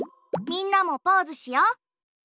みんなもポーズしよ。